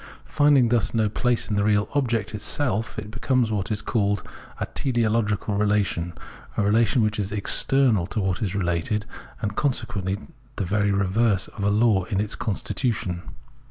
Finding thus no place in the real object itself, it becomes what is called a " teleological relation," a relation which is external to what is related, and con sequently the very reverse of a law of its constitution.